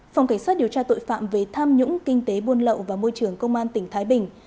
phòng cảnh sát điều tra tội phạm về tham nhũng kinh tế buôn lậu và môi trường công an tỉnh thái bình